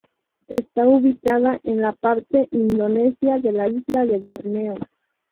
Está ubicada en la parte indonesia de la isla de Borneo.